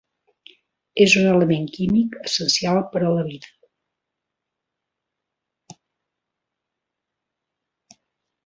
És un element químic essencial per a la vida.